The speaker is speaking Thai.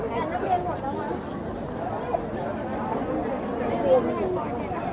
มันเป็นสิ่งที่จะให้ทุกคนรู้สึกว่ามันเป็นสิ่งที่จะให้ทุกคนรู้สึกว่า